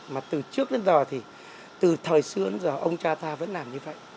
mà từ trước đến giờ thì từ thời xưa đến giờ ông cha ta vẫn làm như vậy